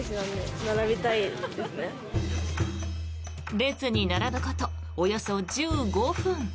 列に並ぶことおよそ１５分。